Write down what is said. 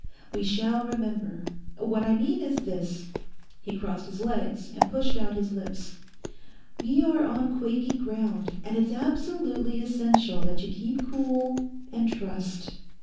We shall remember. What I mean is this.' He crossed his legs and pushed out his lips. 'We are on quaky ground; and it's absolutely essential that you keep cool, and trust.